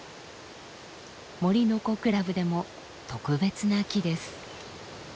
森の子クラブでも特別な木です。